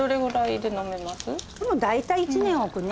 でも大体１年置くね。